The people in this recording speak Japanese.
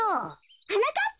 はなかっぱ。